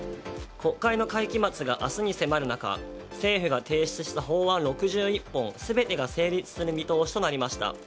国会の会期末が明日に迫る中政府が提出した法案６１本全てが成立する見通しとなりました。